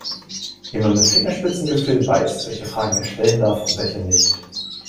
Jemand mit Fingerspitzengefühl weiß, welche Fragen er stellen darf und welche nicht.